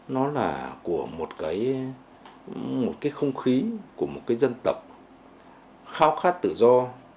nó là của một cái không khí của một cái dân tộc khao khát tự do